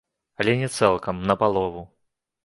Але не цалкам, на палову.